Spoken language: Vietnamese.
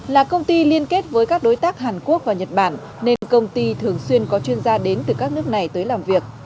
là công ty liên kết với các đối tác hàn quốc và nhật bản nên công ty thường xuyên có chuyên gia đến từ các nước này tới làm việc